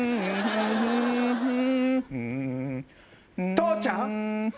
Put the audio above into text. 父ちゃん？